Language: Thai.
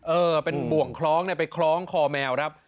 เออเป็นบ่วงคล้องเนี่ยไปคล้องคอแมวครับ